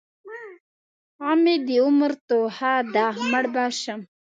غم مې د عمر توښه ده؛ مړ به شم.